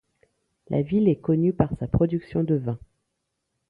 La ville est connue par sa production de vin.